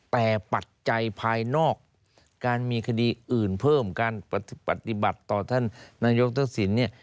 แต่ปัจจัยภายนอกการมีคดีอื่นเพิ่มการปฏิบัติต่อท่านนายกทักษิณเนี่ย